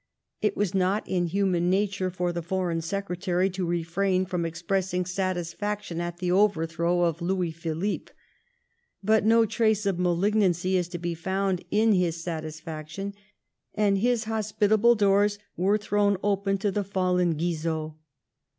It was not in human nature for the Foreign Secretary to refrain from expressing satisfaction ' at the overthrow of Louis Philippe ; but no trace of malignancy is to be found in his satisfaction^ and his hospitable doors were thrown open to the fallen Guizot.